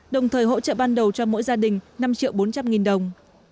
đồng thời hỗ trợ ban đầu cho mỗi gia đình năm triệu bốn trăm linh nghìn đồng